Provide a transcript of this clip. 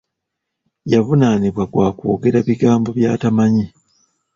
Yavunnaanibwa gwa kwogera bigambo by’atamanyi.